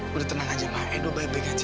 ma udah tenang aja ma edo baik baik aja